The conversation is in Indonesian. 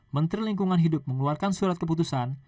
menteri lingkungan hidup mengeluarkan surat keputusan